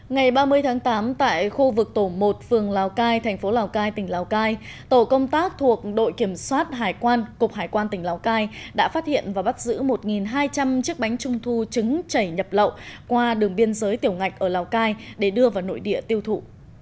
ngày ba mươi tháng tám tại khu vực tổ một phường lào cai thành phố lào cai tỉnh lào cai tổ công tác thuộc đội kiểm soát hải quan cục hải quan tỉnh lào cai đã phát hiện và bắt giữ một hai trăm linh chiếc bánh trung thu trứng chảy nhập lậu qua đường biên giới tiểu ngạch ở lào cai để đưa vào nội địa tiêu thụ